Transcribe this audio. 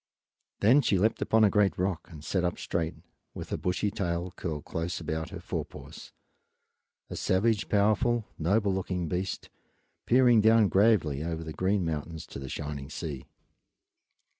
Then she leaped upon a great rock and sat up straight, with her bushy tail curled close about her fore paws, a savage, powerful, noble looking beast, peering down gravely over the green mountains to the shining sea.